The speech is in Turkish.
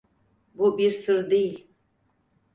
Bu bir sır değil.